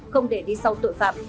không để đi sau tội phạm